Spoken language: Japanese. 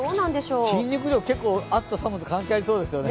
筋肉量、結構暑さ寒さ関係ありそうですよね。